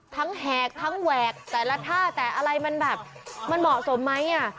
แหกทั้งแหวกแต่ละท่าแต่อะไรมันแบบมันเหมาะสมไหม